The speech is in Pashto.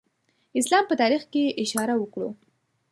اسلام په تاریخ کې اشاره وکړو.